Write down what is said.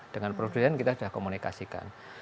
dengan produsen kita sudah komunikasikan